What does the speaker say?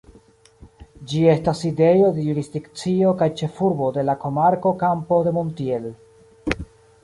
Ĝi estas sidejo de jurisdikcio kaj ĉefurbo de la komarko Campo de Montiel.